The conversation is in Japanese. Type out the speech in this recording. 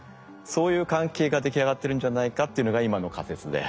そういう関係ができ上がってるんじゃないかっていうのが今の仮説で。